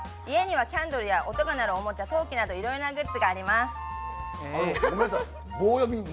家にはキャンドルや音が鳴るおもちゃ、陶器などいろいろなグッズがあります。